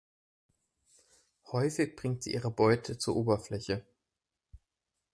Häufig bringt sie ihre Beute zur Oberfläche.